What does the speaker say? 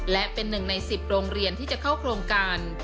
และเป็นหนึ่งใน๑๐โรงเรียนที่จะเข้าโครงการ